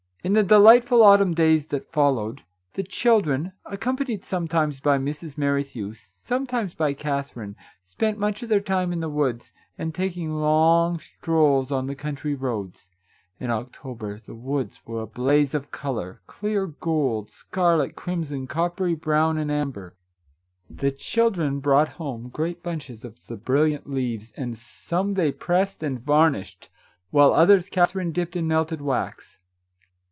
In the delightful autumn days that followed, the children, accompanied sometimes by Mrs. Merrithew, sometimes by Katherine, spent much of their time in the woods, and taking long strolls on the country roads. In October the woods were a blaze of colour, — clear gold, scarlet, crimson, coppery brown, and amber. The children brought home great bunches of the brilliant leases, and some they pressed and varnished, while others Katherine dipped in melted wax.